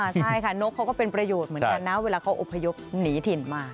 ใช่ค่ะนกเขาก็เป็นประโยชน์เหมือนกันนะเวลาเขาอบพยพหนีถิ่นมา